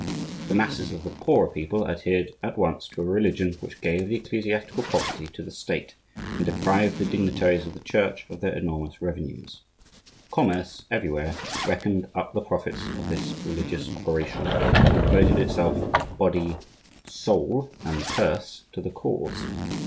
The masses of the poorer people adhered at once to a religion which gave the ecclesiastical property to the State, and deprived the dignitaries of the Church of their enormous revenues. Commerce everywhere reckoned up the profits of this religious operation, and devoted itself body, soul, and purse, to the cause.